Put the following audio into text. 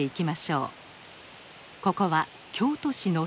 ここは京都市の西北部。